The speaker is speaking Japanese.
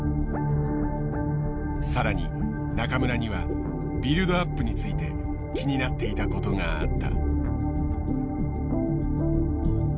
更に中村にはビルドアップについて気になっていたことがあった。